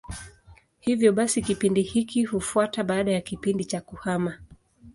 Hivyo basi kipindi hiki hufuata baada ya kipindi cha kuhama.